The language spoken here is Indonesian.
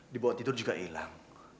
dibawa tidur juga hilang